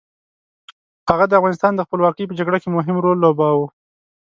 هغه د افغانستان د خپلواکۍ په جګړه کې مهم رول ولوباوه.